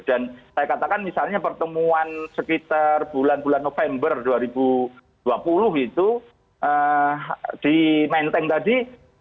dan saya katakan misalnya pertemuan sekitar bulan bulan november dua ribu dua puluh itu di menteng tadi